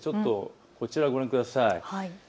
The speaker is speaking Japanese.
こちらをご覧ください。